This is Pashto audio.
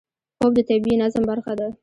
خوب د طبیعي نظم برخه ده